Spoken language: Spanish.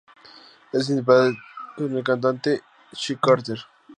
Es interpretada a dueto con el cantante Shy Carter.